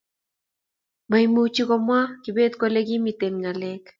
maimuch komwaa kibet kole kimiten ngalek